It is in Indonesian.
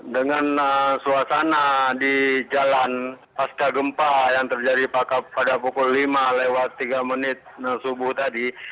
dengan suasana di jalan pasca gempa yang terjadi pada pukul lima lewat tiga menit subuh tadi